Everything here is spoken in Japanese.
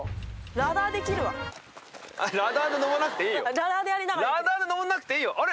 ラダーで登んなくていいよあれ？